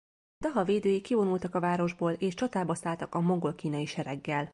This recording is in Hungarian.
Daha védői kivonultak a városból és csatába szálltak a mongol-kínai sereggel.